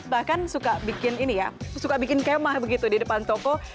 bahkan suka bikin kemah di depan toko